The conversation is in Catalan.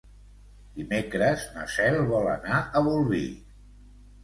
Dimecres na Cel vol anar a Bolvir.